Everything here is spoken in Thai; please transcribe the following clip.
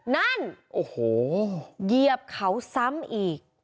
นั่นโอ้โหเหยียบเขาซ้ำอีก